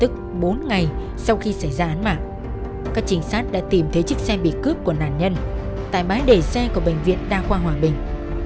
các trinh sát đã tìm thấy chiếc xe bị cướp của nạn nhân tại bãi đề xe của bệnh viện đa khoa hòa bình